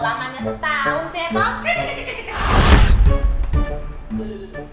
lamanya setahun ya toh